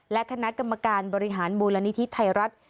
และคณะกรรมการบริหารมูลนิธิไทยรัฐ